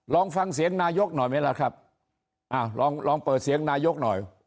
ลองฟังเสียงนายกหน่อยไหมล่ะครับอ้าวลองลองเปิดเสียงนายกหน่อย